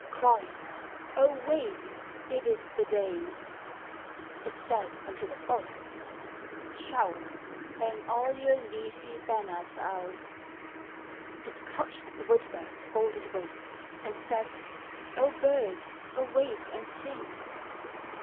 Crying, kk Awake! it is the day! " It said unto the forest, " Shout I Hang all your leafy banners out i •' 38 POEMS OF NATURE. It touched the wood bird's folded wing, And said, " O bird, awake and sing